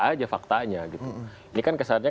aja faktanya gitu ini kan kesannya